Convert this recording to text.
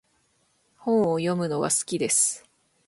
本を読むのが好きです。